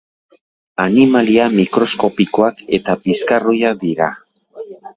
Animalia mikroskopikoak eta bizkarroiak dira.